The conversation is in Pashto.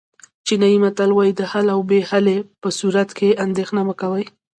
چینایي متل وایي د حل او بې حلۍ په صورت کې اندېښنه مه کوئ.